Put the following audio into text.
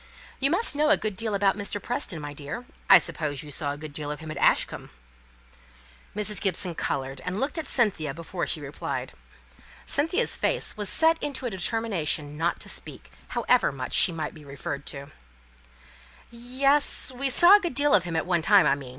"You must know a good deal about Mr. Preston, my dear. I suppose you saw a good deal of him at Ashcombe?" Mrs. Gibson coloured, and looked at Cynthia before she replied. Cynthia's face was set into a determination not to speak, however much she might be referred to. "Yes; we saw a good deal of him at one time, I mean. He's changeable, I think.